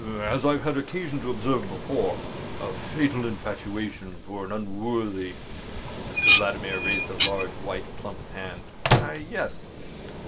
"As I've had occasion to observe before, a fatal infatuation for an unworthy—" Mr Vladimir raised a large white, plump hand. "Ah, yes.